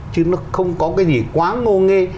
chứ nó không có cái gì quá ngô nghê